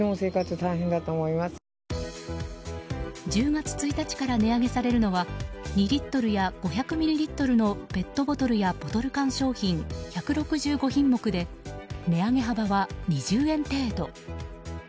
１０月１日から値上げされるのは２リットルや５００ミリリットルのペットボトルやボトル缶商品１６５品目で値上げ幅は２０円程度。